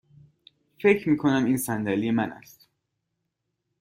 فکر می کنم این صندلی من است.